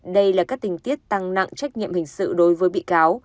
đây là các tình tiết tăng nặng trách nhiệm hình sự đối với bị cáo